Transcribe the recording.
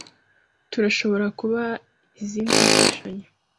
Turashobora kuba izindi mfashanyo?